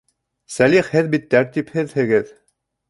Сәлих, һеҙ бик тәртипһеҙһегеҙ